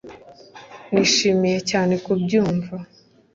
nishimiye cyane kubyumva